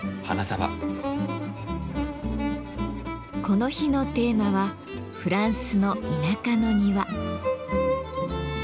この日のテーマはフランスの田舎の庭。